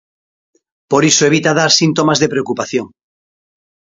Por iso evita dar síntomas de preocupación.